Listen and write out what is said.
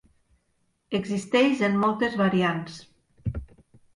Existeix en moltes variants.